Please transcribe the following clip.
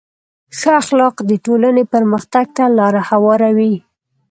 ښه اخلاق د ټولنې پرمختګ ته لاره هواروي.